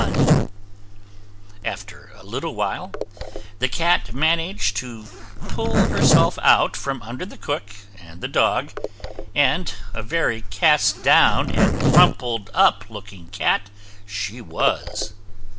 After a little while, the cat managed to pull herself out from under the cook and the dog, and a very cast down and crumpled up looking cat she was.